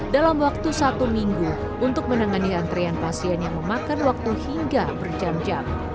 dalam waktu satu minggu untuk menangani antrian pasien yang memakan waktu hingga berjam jam